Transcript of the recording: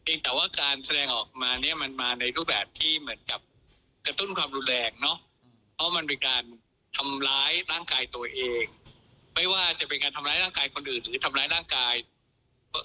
แต่ว่าการแสดงออกมาเนี่ยมันมาในรูปแบบที่เหมือนกับกระตุ้นความรุนแรงเนาะเพราะมันเป็นการทำร้ายร่างกายตัวเองไม่ว่าจะเป็นการทำร้ายร่างกายคนอื่นหรือทำร้ายร่างกาย